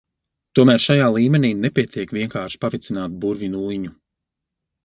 Tomēr šajā līmenī nepietiek vienkārši pavicināt burvju nūjiņu.